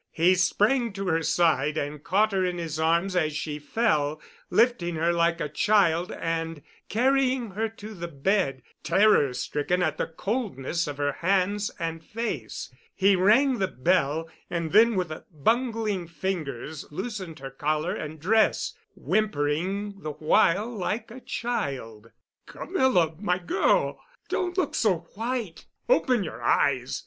He sprang to her side and caught her in his arms as she fell, lifting her like a child and carrying her to the bed, terror stricken at the coldness of her hands and face. He rang the bell, and then with bungling fingers loosened her collar and dress, whimpering the while like a child. "Camilla, my girl, don't look so white. Open your eyes.